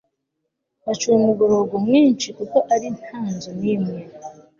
bacura umuborogo mwinshi kuko ari nta nzu n imwe